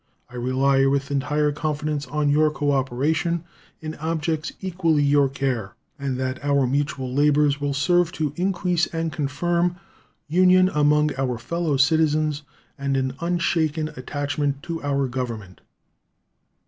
I rely with entire confidence on your cooperation in objects equally your care, and that our mutual labors will serve to increase and confirm union among our fellow citizens and an unshaken attachment to our Government.